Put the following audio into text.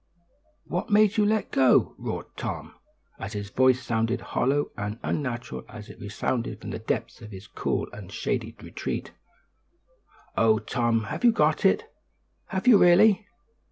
"What made you let go?" roared Tom, and his voice sounded hollow and unnatural as it resounded from the depths of his cool and shady retreat. "Oh, Tom, have you got it? Have you really?